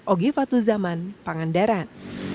ogi fatu zaman pangandaran